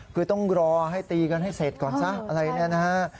คือต้องรอให้ตีกันให้เสร็จก่อนซะอะไรเนี่ยนะฮะ